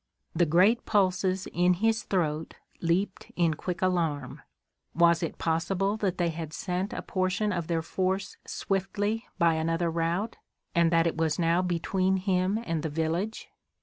The great pulses in his throat leaped in quick alarm. Was it possible that they had sent a portion of their force swiftly by another route, and that it was now between him and the village?